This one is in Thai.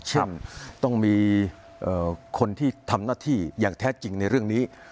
ต้องมีคนที่ทำหน้าที่อย่างแท้จริงในเรื่องนี้